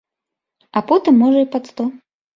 А потым можа і пад сто.